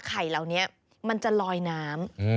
ไข่เหล่านี้มันจะลอยน้ำ